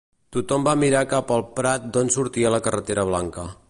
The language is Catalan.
Tothom va mirar cap el prat d'on sortia la carretera blanca.